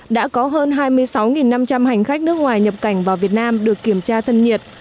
đã có hơn hai mươi sáu năm trăm linh hành khách nước ngoài nhập cảnh vào việt nam được kiểm tra thân nhiệt